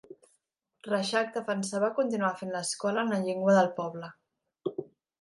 Reixac defensava continuar fent l'escola en la llengua del poble.